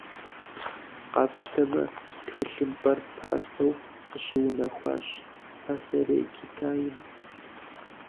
Къапщтэмэ, тхылъымпӏэр пасэу къыщыунэхуащ Пасэрей Китайм.